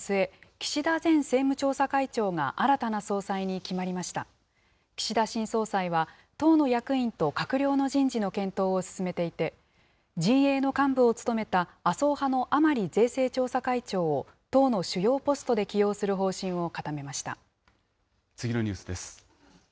岸田新総裁は、党の役員と閣僚の人事の検討を進めていて、陣営の幹部を務めた麻生派の甘利税制調査会長を党の主要ポストで次のニュースです。